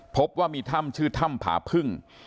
พบว่ามีถ้ำชื่อถ้ำผาพึ่ง